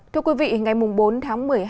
thưa quý vị ngày bốn tháng một mươi hai